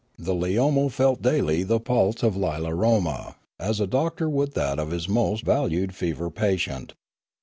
The Leomo felt daily the pulse of Lilaroma as a doctor would that of his most valued fever patient.